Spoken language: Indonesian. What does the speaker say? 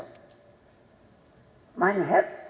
diberang pak prof